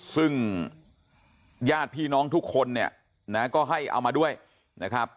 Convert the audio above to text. ซึ่งญาติพี่น้องทุกคนเนี่ยนะก็ให้เอามาด้วยนะครับ